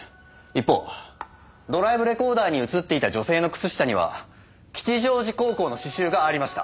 一方ドライブレコーダーに映っていた女性の靴下には吉祥寺高校の刺繍がありました。